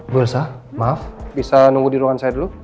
bu elsa maaf bisa nunggu di ruangan saya dulu